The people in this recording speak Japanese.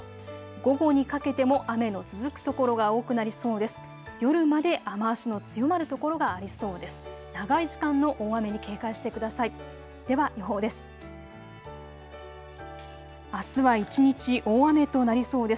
午後にかけても雨の続く所が多くなりそうです。